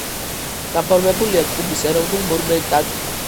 გაფორმებულია კუბის ეროვნულ მონუმენტად.